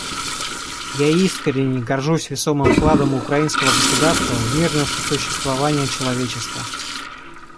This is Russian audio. Я искренне горжусь весомым вкладом украинского государства в мирное сосуществование человечества.